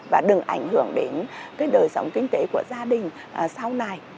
và đừng ảnh hưởng đến đời sống kinh tế của gia đình sau này